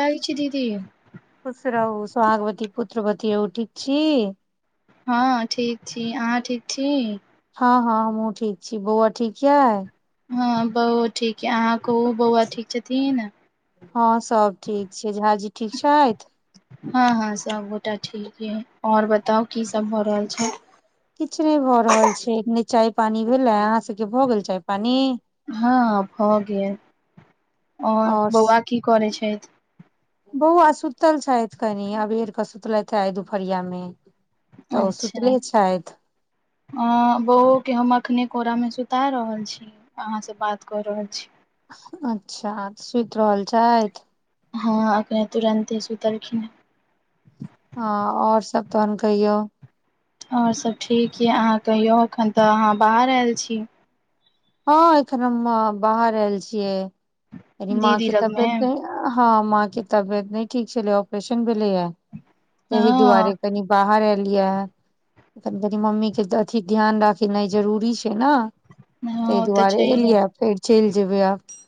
लागेछी दीदी स्वागवती पुत्रवती रहु ठिक छी हँ ठीक छी अहाँ ठीक छी हँ हँ हमू ठीक छी बौआ ठीक यै हँ बौओ ठीक है अहाँ कहू बौआ ठीक छथिन हाँ सब ठीक छै झा जी ठीक छैथ हाँ हाँ सब गोटा ठीक य और बताउ की सब भ रहल छै किछ नहि भऽ रहल छै एखने चाय पानी भेलै अहाँ सभके भऽ गेल चाय पानी हाँ भऽ गेल आओर और बौआ की करै छैथ बौआ सुतल छथि कनि अबेर कऽ सुतलैेथ ह आइ दुपहरियामे अच्छा अ बोओ के हम अखने कोरा मे सुता रहल छी अहाँ से बात कऽ रहल छी अच्छाऽ सुति रहल छैथ हाँ एखने तुरन्ते सुतलखिन है हाँ और सब तहन कहियौ और सब ठीक यए अहाँ कहियौ एखन तऽ अहाँ बाहर आइल छी हँ एखन हम बाहर आयल छियै कनि माँ दीदी के लगमे तबियत नइ हाँ माँ के तबियत नइ ठिक छ्ले ऑपरेशन लेलय तहि हँ दुआरे कनी बाहर ए यै कनी मम्मी के अथी ध्यान राखेनाइ जरूरी छै ना तई हँ ओ तऽ दुआरे छैहे एलियै फेर चलि जेबै आब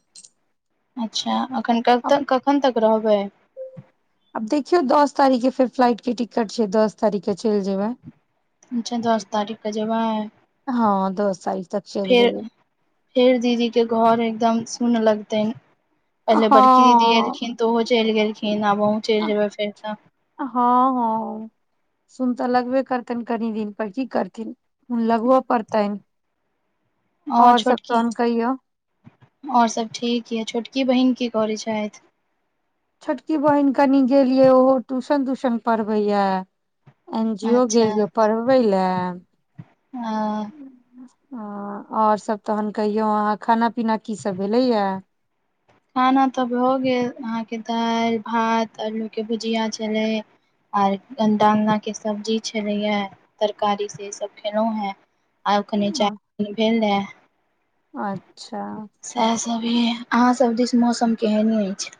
अच्छह एखन कबतक कखन तक रहबै आब देखियौ दस तारीखके फेर फ्लाइट के टिकट छै दस तारीखके चैल जेबै अच्छा दस तारिख क जैबै हँ दस तारीख तक चलि फेर जेबै फेर दीदी के घर एकदम सुन्न लग तैन हँ पहिले बड़की दीदी एलखिन तऽ उहो चइल गेलखिन आब अहूँ चलि जेबै फेर तऽ हाँ हाँ सुन तऽ लगबे करतैन कनि दिन पर की करथिन मुन लगबय पड़तन आउर सब तहन काहियो ओर सब ठीक यए छोटकी बहिन की करै छथि छोटकी बहिन कनि गेलियै ओहो ट्यूशन त्यूशन पढ़बैए एन जी ओ गेलियए पढ़बै ले हाँ ह ओर सभशब तहन कहियौ अहाँ खाना पीना कीसब भेलैए खाना तऽ भऽ गेल अहाँके दाल भात आलूके भुजिया छलै आय अंडा उण्डाके सब्जी छलैए ये तरकारीसे सब खयलहुँ हे आब कनि चाय भेल रहै अच्छह सएह सब अहाँ सब दिस मौसम केहन अइछ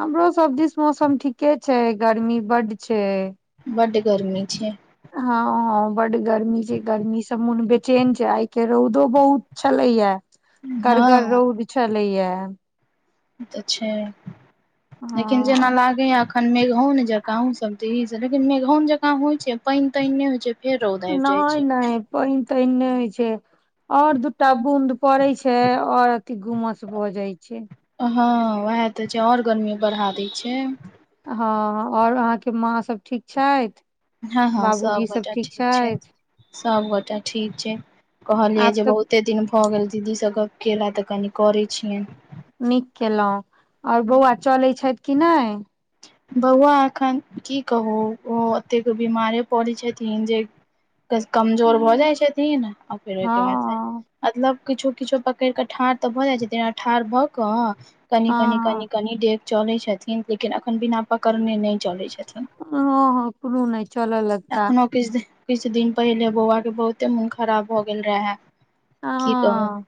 हमरो सब दिस मौसम ठीके छै गर्मी बड्ड छै बड्ड गर्मी छै हाँ हाँ बड गर्मी छै गर्मीसे मोन बेचैन छै आइ के रौदो बहुत छलै या कर गर रउद छलैयए ई तऽ छै लेकिन जेना हँ लागे अखन मंगहौन जका आंहु सब दिश लेकिन मेगहौन जकाँ होइ छै पाइन ताइन नइ होइ छै फेर रौद आबि जाइ नय छै नइ पाइन तेने होइ छै और दूटा बूंद पड़ै छै और ई गूमस भऽ जाइ छै हाँ उएह तऽ छै ओर गर्मी बढ़ा दै छै हाँ ओर अहाँके माँ सब ठीक छैथ हाँ हाँ सब गोटा ठीक छै सब गोटा ठीक छै आब कहलियै जे तऽ बहुते दिन भऽ गेल दीदीसब गप्प केला तऽ कनि करैत छियन नीक केलहुँ ओर बौआ चलैत छथ कि नहि बौआ एखन की कहू ओ ओतेक बीमारे पड़ै छथिन जे ओइस कमजोर भऽ जाइ छथिन आ फेर ओहिके बाद में हँ मतलब किछो किछो पकड़ कऽ ठाढ़ तऽ भऽ जाय छै जेना ठाढ़ भए क कनि कनि कनि हँ कनि डेग चलै छथिन लेकिन अखन बिना पक हँ हँ कोनो नहि चलऽ लगता एखनो किछ किछु दिन पहिले बौआ के बहुते मोन खराब भ गेल रहै की कहू हँ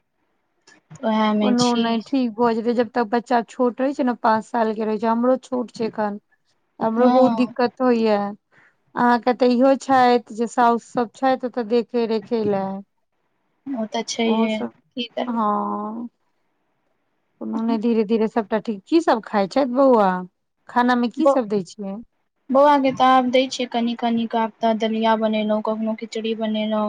उएह मे कोनो छी नहि ठीक भऽ जेतै जब तक बच्चा छोट रहै छै ने पाँच साल के रहैत छै हमरो छोट छै अखन हमरो बहुत हँ दिक्कत होइया अहाँक कते इहो छथि जे साउस सब छथि ओतऽ देख के रखै ले ओ तऽ ओ छैहे सब की करबै हँ कोनो नहि धीरे धीरे सभटा ठीक की सभ खाइ छथि बौआ खाना मे की ब सब दै छियै बौआके तऽ आब दै छियै कनि कनि आब त दलिया बनेलों कखनो खिचड़ी बनेलों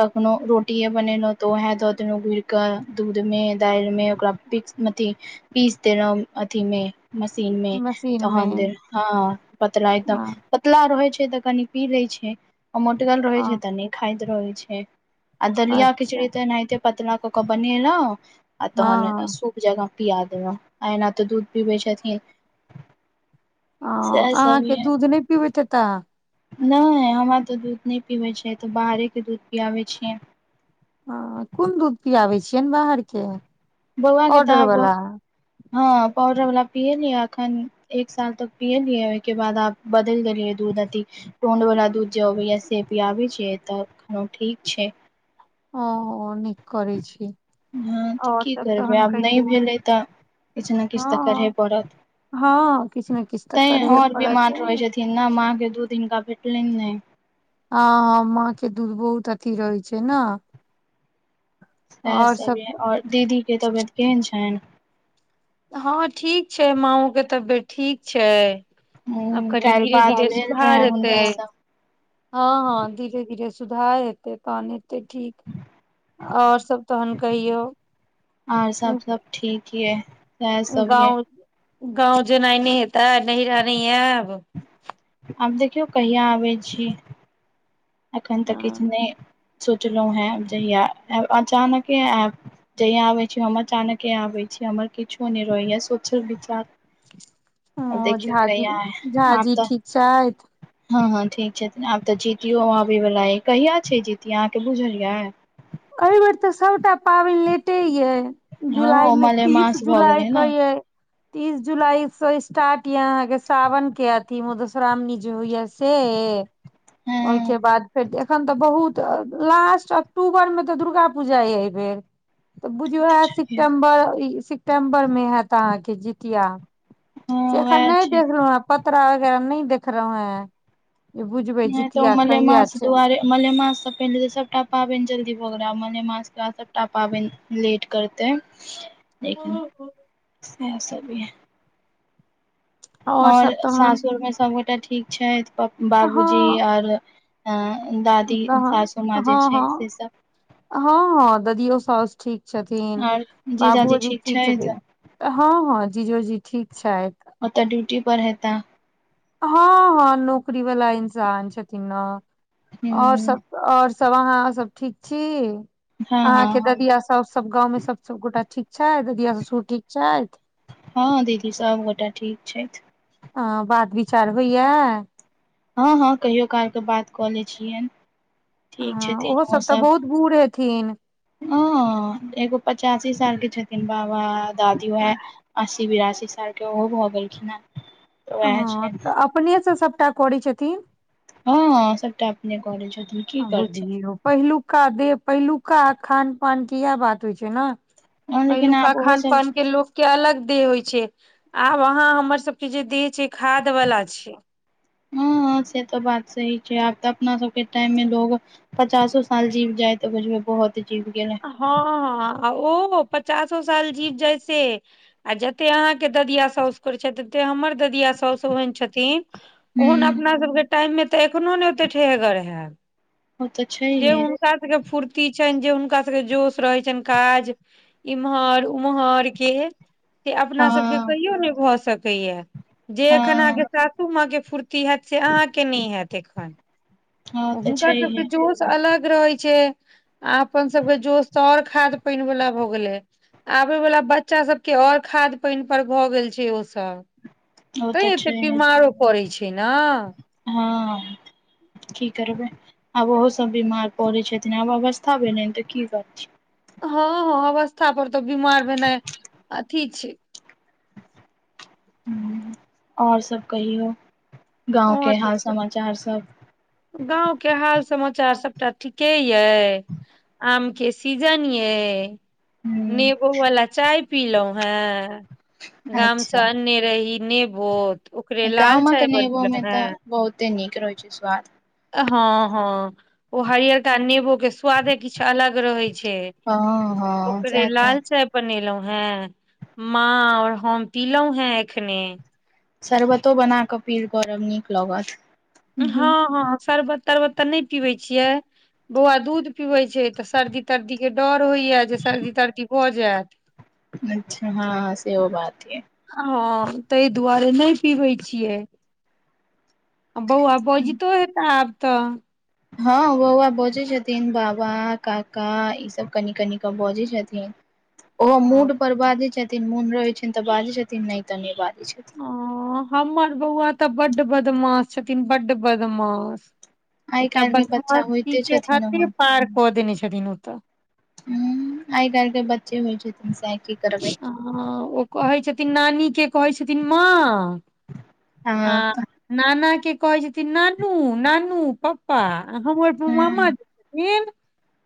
कखनो रोटीेये बनेलों तो उहे द देलौं गुइर क दूध में दालि में ओकरा पीक्स अथि पीस देलहु अथि मे मशीन मे मशीन मे तहन देलहुं ह पतला एकदम हँ पतला रहै छै तऽ कनि पी लै छै आ मोटगल रहै छै हँ तऽ नहि खाइत रहै छै आ दलियाा अच्छा खिचड़ी तऽ एनाहिते पतला क क बनेलो आ तहन हँ सूप जेकां पिया देलौं आ एना तऽ दूध पीबे छथिन ह सएह सब अहाँके य दूध नहि पिबैत हेता नहि हमरा तऽ दूध नहि पीबे छै त बाहरे के दूध पीआबे छियै हँ कोन दूध पियाबै छियैनि बाहरके बौआ के त आब हँ पाउ पाउडर वाला पियलियै अखन एक साल तक पियलियै ओहिके बाद आब बदलि देलियै दूध अथि टोंड वाला दूध जे अबैया से पिआबै छियै तऽ अखन ओ ठीक छै ओ नीक करै छी हँ तऽ और की सब करबै तहन आब नहि कहियौ भेलै तऽ किछु ने किछु तऽ करहे हँ पड़त हँ किछु ने किछु तऽ तैं करहे आओर पड़त बिमार रहै छथिन न माँ के दूध हुनका भेटलनि नहि हँ हँ माँ के दूध बहुत अथि रहै छै न सेएह सब या आओर दीदी के तबियत केहन छनि हँ ठीक छै मांओ के तबियत ठीक छै आब कनि काल्हि धीरे बात धीरे भेल सुधार रहे हेतै हुनका से हँ हँ धीरे धीरे सुधार हेतै पानि तऽ ठीक आओर सभ तहन कहियौ सेएह सभ यै गाँव गाँव जेनाइ नहि हैता नहिरा नै ऐब आब देखियौ कहिया आबैत छी एखन तऽ किछु नहि सोचलहुँ हैं जहिया ऐब अचानके आयब जहिया आबै छी हम अचानके आबै छी हमर किछो नहि रहैया सोचल विचारल ओ झा जी झा आब जी तऽ ठीक छथि हँ हँ ठीक छथिन आब तऽ जीतियो आबे वाला या कहिया छै जीतिया अहाँके बुझलियै एहि बेर तऽ सभटा पाबनि लेटे ये हँ जुलाइ ओ मे तीस मलेमास भऽ जुलाई गेलै क ने यै तीस जुलाई स स्टार्ट या अहाँ के साावन के अथि मधुश्रावणी जे होइया से ओहिके हँ बाद फेर एखन तऽ बहुत लास्ट अक्टूबर मे तऽ दुर्गा पूजा अइ एहि बेर तऽ बुझू ओहे सेप्टेम्बर ई सेप्टेम्बरमे हैत अहाँके जितिया से हँ अखन वएह नहि छै देख रहे हैं पतरा वगैरह नहि देख रहे हैं नहि तऽ ओ मलेमास दुआरे मलेमास सँ पहिले ओ सबटा पाबनि जल्दी भऽ गेलै आब मलेमास के बाद सबटा पाबनि लेट करतै ओ हो इएह सब ये और आओर सब तहन सासुरमे सबगोटा ठीक छैथ हँ बाबूजी आओर ऐं दादी हँ सासू माँ जे छैथ से हँ सब हँ हँ ददियो साउस ठीक छथिन आर जीजाजी बाबुओ जी ठीक छथि छथिन हँ हँ जीजो जी ठीक छैथ छुट्टी पर हेता हँ हँ नौकरी वला इन्सान छथिन न ह आओर सब आओर सब अहाँ सब ठीक छी हँ अहाँ हँ के हम ददिया साउस सब गाँव मे सब सबगोटा ठीक छै ददिया ससूर ठीक छैथ हँ दीदी सबगोटा ठीक छथि हँ बात विचार होइये हँ हँ कहियो कालके बात कऽ लै छियैन हँ ओहो सब तऽ बहुत बूढ़ हेथिन हँ एगो पचासी साल के छथिन बाबा दादी उहै अस्सी बिरासी साल के ओहो भऽ गेलखिन हें [inaudible] हँ तऽ अपने से सबटा करै छथिन हँ सबटा अपने करै छथिन की करथिन बुझियौ पहिलुका देह पहिलुका खान पान के इहै बात होइ छै ने हँ लेकिन पहिलुका आब ओहो खान सब पान के लोक के अलग देह होइ छै आब अहाँ हमर सबके जे देह छै खाद बला छै ह [inaudible] हँ से तऽ बात सही छै आब तऽ अपना सब के टाइम मे लोग पचासो साल जीव जाय तऽ बुझबै बहुत जीव गेलै हँ आ उहो मे पचासो साल जीव जाय से आ जते अहाँ के ददिया साउस करै छैथ तते हमर ददिया साउस ओहन छथिन ओहन ह अपना सबके टाइम मे तऽ एखनो ने ओते ठेहगर हैब ओ तऽ जे छैहे हुनका सबके फुर्ती छैन जे हुनका सबके जोश रहैत छैन काज इमहर उम्हर के से अपना सबके हँ कहियो नहि भऽ सकैये जे एखन अहाँके हँ सासू माँ के फुर्ती फूर्ति हैत से अहाँके नहि हैत एखन हँ आ तऽ हुनका सबके छैहे जोश अलग रहै छै आ अपन सबके जोश तऽ आओर खाद पाइन वला भऽ गेलै आब वला बच्चा सब के खादि पानि पर भऽ गेल छै ओ सब ओ तैं तऽ एतेक छैहे बीमारो पड़ै छै ने हँ की करबै आब ओहो सब बीमार पड़ै छथिन आब अवस्था भेलैन तऽ की करथिन हँ हँ अवस्था पर तऽ बीमार भेनाइ अथी छै आओर सभ कहियौ गाँवके हाल समाचार सब गाँंवके हाल समाचार सबटा ठीके अए आम के सीजन अए हूँ नेबो वाला चाय पीलहुँ हें गाम सँ अच्छा अन्ने रही नेबो ओकरे लाल चाय बनेलौं नेबो मे तऽ हें बहुते नीक रहै छै स्वाद हँ हँ ओ हरियरका नेबो के स्वादे किछु अलग रहै छै हँ से हँ ओकरे सएह तऽ लाल चाय बनेलहुँ हँ माँ और हम पिलहुॅं हैं एखने शरबतो बना कऽ पील कोरब नीक लागत हँ हँ शरबत तरबत तऽ नय पिबै छियै बौआ दूध पिबैत छै त सर्दी तर्दी के डर होइए जे सर्दी तर्दी भऽ जायत अच्छा हँ सेहो बात ये तय दुआरे नै पीबै छियै बौवा बजितो हे त आब तऽ हँ बौआ बजै छथिन बाबा काका ईसभ कनि कनि कऽ बजै छथिन ओहो मूडपर बाजै छथिन मोन रहै छनि तऽ बाजै छथिन नहि तऽ नहि बाजै छथिन हँ हमर बौआ तऽ बड्ड बदमास छथिन बड बदमास आइ एकटा काल्हि के बच्चा बदमासी होइते के छथिन हदे पार क देने छथिन ओ तऽ ह आइ काल्ह के बच्चे होइ छै तन हँ ओ कहै छथिन नानीके कहै छथिन माँ आ हँ नाना के कहै छथिन नानू नानू पप्पा हमर मामा हूँ छथिन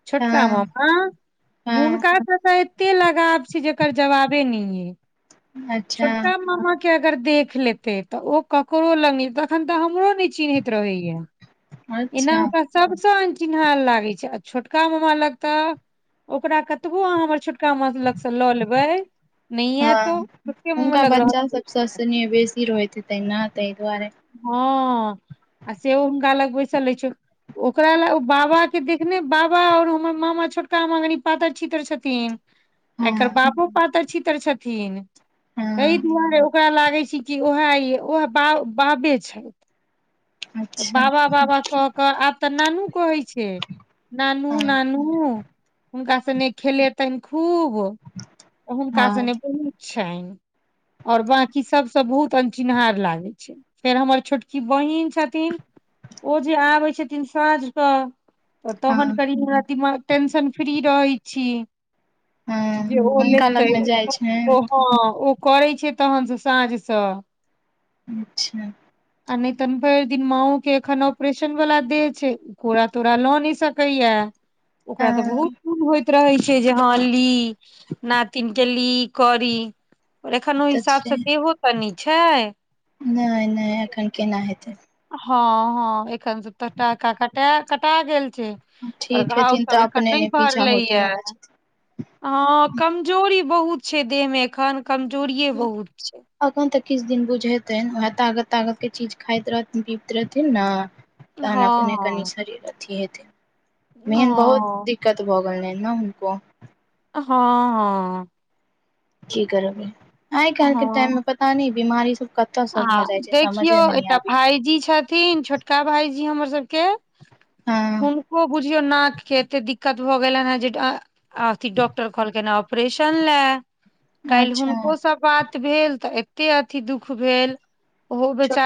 छोटका हँ मामा हँ हुनका द ता एते लगाव छै जे अच्छा छोटका मामा के अगर देख लेतै तऽ ओ ककरो ल तखन तऽ हमरो नइ चिन्हयत रहैया ऐना अच्छा ओकरा सब सँ चिन्ह लागे छै आ छोटका मामा लगता ओकरा कतबो अह हमर छ काम लंग स लौ लेबै नय ऐत ओ हँ हुनका बच्चा सभ स सेनेह बेसी रहैत हेतै ने तहि दुआरे हँ आ से ओ हम ग अलग बैसा लै छ ओकरा लए ओ बाबा के देखने बाबा और हमर मामा छोटका मामा कनि पातर छितर छथिन एकर हँ बापो पातार छी पातर छथिन कहि हँ दआे ओकरा लागै छै कि ओहह बाब बाबे छथि तऽ अच्छा बाबा बाबा क के आब तऽ नानू कहै छै छै नानु हँ नानु हुनका सनेे खेलेतनि खूब ओ हुनका सँ हँ बहुत छनि ओर बाकी सभस बहुत अनचिन्हार लागैत छै फेर हमर छोटकी बहिन छथि ओ जे आबै छथिन साँझ क तऽ तहन हँ करी दिमा टेंशन फ्री रहै छी हँ जे ओ हुनका लतै लगमे जाइ छनि हँ ओ करै छै तहन जे साँझसँ अच्छा आ नैतन फ़ेर दिन माउ के एखन ऑपरेशन वला देह छै कोड़ा तोड़ा लऽ नहि सकैया ओकरा तऽ हँ बहुत दून होइत रहै छै जे हँ ली नातिन के ली करी एखन ओहि तऽ हिसाबसँ देहो तनी छै नैय नैय एखन केना हेतै हँ हँ एख सु तऽटाा कट कटा गेल पर ठीक घाव हेथिन सब तऽ एखन अपने नहि पीछा भरले हटे या वाला छथिन हँ कमजोरी बहुत छै देहमे एखन कमजोरिए बहुत छै अखन तऽ किछु दिन बुझेतै वएह ताकत तागत के चीज खाइत रहथिन पीबैत रहथिन ने तहन अपने कनि हँ शरीर अथी हेतै मेन बहुत हँ दिक्कत भऽ गेल ोलल ने हुनको हँ हँ ठ करभी आइ हँ काल्केँ टाइम मे हँ पता न बीमारी सब कतऽ आ सब भऽ जाइ छै देखियौ समझे मे नहि एकटा आबैया भाईजी छथिन छोटका भाईजी हमर सबकेँ हँ हुनको बुझ देखियौ नाक केँ एते दिक्कत भऽ गेलनि हेँ जे अथी डॉक्टर कहलकै हे ऑपरेशन ले काल्ह अच्छा हुनको से बात भेल तऽ एते अथी दुख ख भेल ओहो बेचार छोट